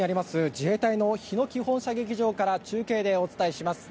自衛隊の日野基本射撃場から中継でお伝えします。